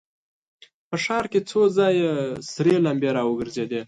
په ښار کې څو ځايه سرې لمبې را وګرځېدې.